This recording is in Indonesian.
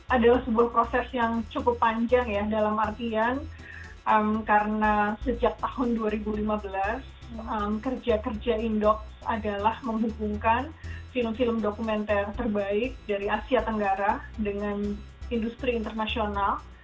adalah sebuah proses yang cukup panjang ya dalam artian karena sejak tahun dua ribu lima belas kerja kerja indox adalah menghubungkan film film dokumenter terbaik dari asia tenggara dengan industri internasional